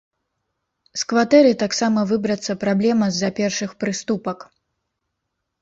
З кватэры таксама выбрацца праблема з-за першых прыступак.